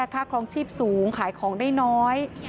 ครองชีพสูงขายของได้น้อย